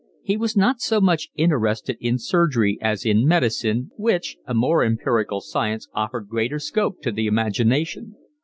He was not so much interested in surgery as in medicine, which, a more empirical science, offered greater scope to the imagination.